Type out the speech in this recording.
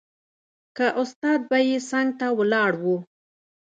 که استاد به يې څنګ ته ولاړ و.